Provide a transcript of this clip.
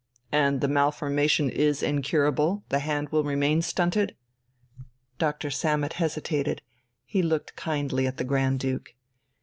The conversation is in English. "And the malformation is incurable? The hand will remain stunted?" Dr. Sammet hesitated; he looked kindly at the Grand Duke.